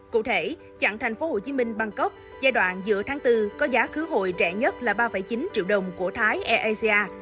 cụ thể chặng thành phố hồ chí minh bangkok giai đoạn giữa tháng bốn có giá khứ hội trẻ nhất là ba chín triệu đồng của thái air asia